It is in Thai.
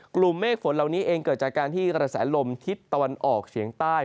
กลุ่มเมฆฝนเหล่านี้เองเกิดจากการที่กระแสลมทิศตะวันออกเฉียงใต้